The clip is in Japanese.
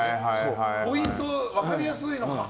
ポイント、分かりやすいのか。